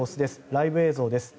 ライブ映像です。